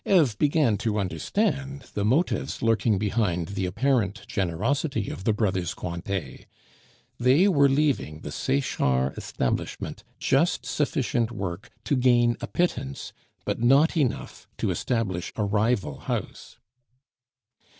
Eve began to understand the motives lurking beneath the apparent generosity of the brothers Cointet; they were leaving the Sechard establishment just sufficient work to gain a pittance, but not enough to establish a rival house.